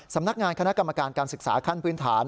สำนักงานคณะกรรมการการศึกษาขั้นพื้นฐาน